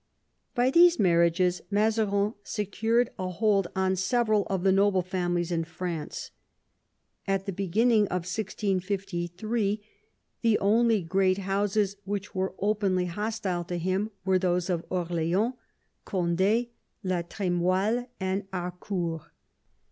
By these marriages Mazarin secured a hold on several of the noble families in France. At the beginning of 1653 the only great . houses which were openly hostile to him were those of Orleans, Cond^, la Tr^moille, and Harcourt.